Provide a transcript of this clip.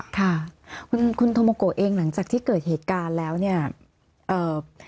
ค่ะคุณธรรมกฎเองหลังจากที่เกิดเหตุการณ์แล้วเนี่ย